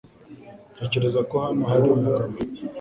Ntekereza ko hano hari umugabo.